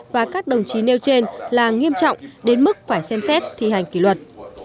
và các đồng chí nêu trên là nghiêm trọng đến mức phải xem xét thi hành kỷ luật